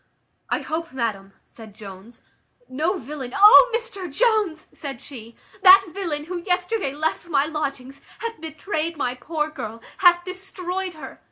"I hope, madam," said Jones, "no villain" "O Mr Jones!" said she, "that villain who yesterday left my lodgings, hath betrayed my poor girl; hath destroyed her.